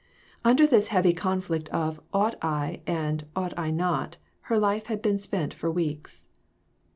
Under this heavy conflict of "ought I" and "ought I not" her life had been spent, for weeks.